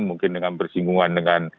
mungkin dengan bersinggungan dengan